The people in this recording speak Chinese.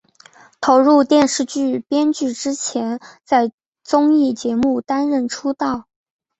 投入电视剧编剧之前在综艺节目担任出道。